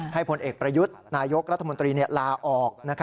พลเอกประยุทธ์นายกรัฐมนตรีลาออก